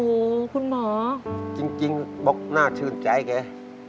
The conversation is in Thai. โอ้คุณหมอจริงบอกหน้าทื่นใจไอน่า